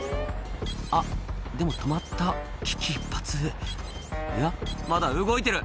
「あっでも止まった危機一髪」「おやまだ動いてる」